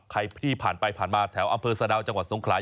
ใครที่ผ่านไปผ่านมาแถวอำเภอสะดาวจังหวัดสงขลา